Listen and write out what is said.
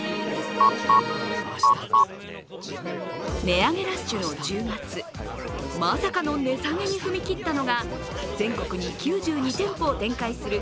値上げラッシュの１０月、まさかの値下げに踏み切ったのが全国に９２店舗を展開する